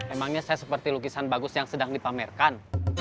emangnya saya seperti lukisan bagus yang sedang dipamerkan